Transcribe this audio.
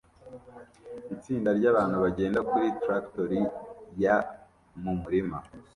Itsinda ryabantu bagenda kuri traktori ya mumurima